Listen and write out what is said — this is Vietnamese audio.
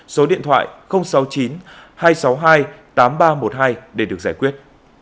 số điện thoại sáu mươi chín hai trăm sáu mươi hai tám nghìn ba trăm một mươi hai để được giải quyết